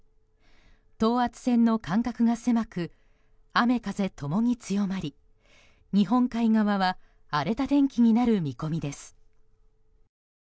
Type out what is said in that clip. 等圧線の間隔が狭く雨風共に強まり日本海側は荒れた天気になる見込みです。